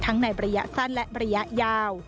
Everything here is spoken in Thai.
ในระยะสั้นและระยะยาว